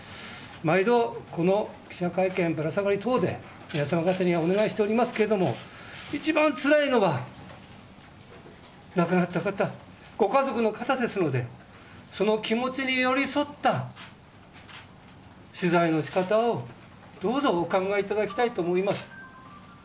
毎度、この記者会見等でぶら下がり等で皆様方にはお願いしておりますけれども、一番つらいのは亡くなった方、ご家族の方ですのでその気持ちに寄り添った取材の仕方をどうぞお考えいただきたいと思います。